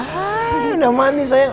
hai udah mandi sayang